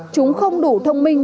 chúng không đủ thông minh